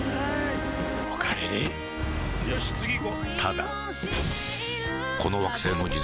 おかえりよし次行こう！